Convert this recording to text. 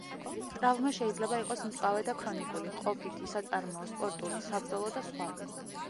ტრავმა შეიძლება იყოს მწვავე და ქრონიკული, ყოფითი, საწარმოო, სპორტული, საბრძოლო და სხვა.